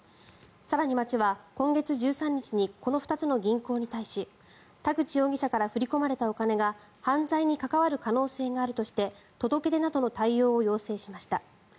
更に町は今月１３日にこの２つの銀行に対し田口容疑者から振り込まれたお金が犯罪に関わる可能性があるとして届け出などの対応を要請しました。